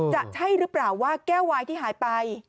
จะใช่หรือเปล่าว่าแก้ววายที่หายไป